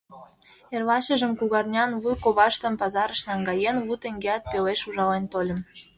Эрлашыжым, кугарнян, луй коваштым, пазарыш наҥгаен, лу теҥгеат пелеш ужален тольым.